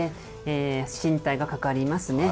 進退がかかりますね。